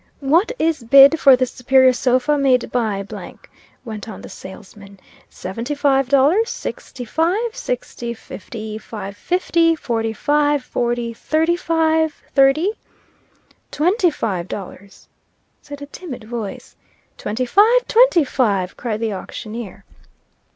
"What is bid for this superior sofa, made by ," went on the salesman, "Seventy dollars sixty five sixty fifty five fifty forty five forty thirty five thirty." "Twenty five dollars," said a timid voice. "Twenty five! Twenty five!" cried the auctioneer.